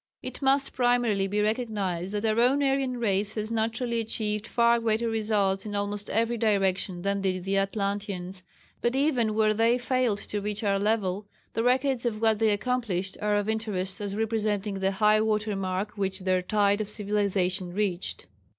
_ It must primarily be recognized that our own Aryan race has naturally achieved far greater results in almost every direction than did the Atlanteans, but even where they failed to reach our level, the records of what they accomplished are of interest as representing the high water mark which their tide of civilization reached.